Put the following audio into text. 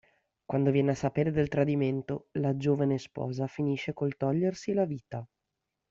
Quando viene a sapere del tradimento, la giovane sposa finisce col togliersi la vita.